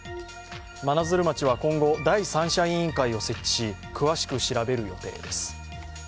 真鶴町は今後、第三者委員会を設置し、詳しく調べる予定です。